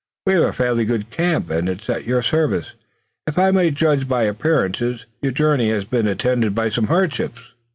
We have a fairly good camp, and it's at your service. If I may judge by appearances your journey has been attended by some hardships."